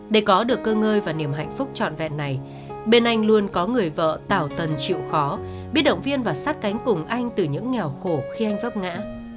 để có được cơ ngơi và niềm hạnh phúc trọn vẹn này bên anh luôn có người vợ tạo tần chịu khó biết động viên và sát cánh cùng anh từ những nghèo khổ khi anh pháp ngã